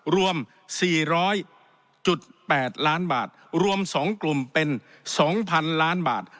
รวมสี่ร้อยจุดแปดล้านบาทรวมสองกลุ่มเป็นสองพันล้านบาท